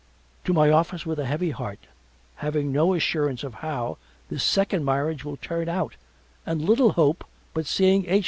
To my office with a heavy heart having no assurance of how this second marriage will turn out and little hope but seeing H.